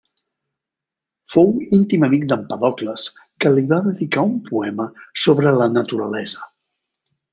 Fou íntim amic d'Empèdocles que li va dedicar un poema sobre la naturalesa.